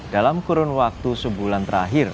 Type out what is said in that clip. dalam kurun waktu sebulan terakhir